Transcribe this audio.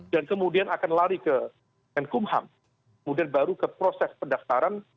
dan kemudian akan lari ke nkum ham kemudian baru ke proses pendaftaran